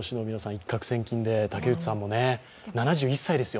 一獲千金で竹内さんもね、７１歳ですよ。